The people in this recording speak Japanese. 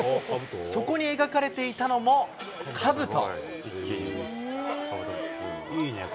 そこに描かれていたのも、かぶと。